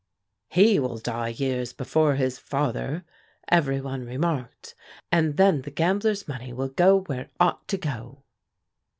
"He will die years before his father," every one remarked, "and then the gambler's money will go where it ought to go."